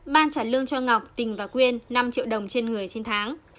ban trả lương cho ngọc tình và quyên năm triệu đồng trên người trên tháng